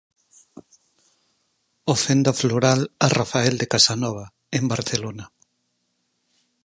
Ofrenda floral a Rafael de Casanova, en Barcelona.